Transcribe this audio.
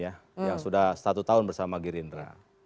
yang sudah satu tahun bersama girindra